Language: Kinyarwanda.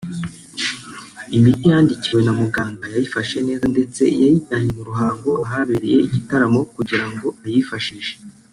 Imiti yandikiwe na muganga yayifashe neza ndetse yanayijyanye mu Ruhango ahabereye igitaramo kugira ngo ayifashishe